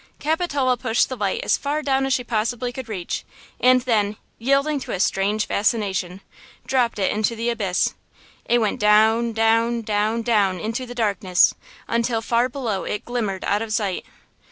Capitola pushed the light as far down as she could possibly reach, and then, yielding to a strange fascination, dropped it into the abyss! It went down, down, down, down into the darkness, until far below it glimmered out of sight.